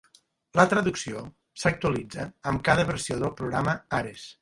La traducció s'actualitza amb cada versió del programa Ares.